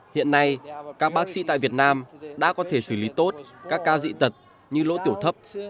hiện nay các bác sĩ tại việt nam đã có thể xử lý tốt các ca dị tật như lỗ tiểu thấp